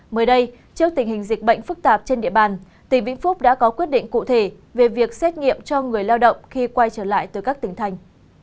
mới đây trước tình hình dịch bệnh phức tạp trên địa bàn tỉnh vĩnh phúc đã có quyết định cụ thể về việc xét nghiệm cho người lao động khi quay trở lại từ các tỉnh thành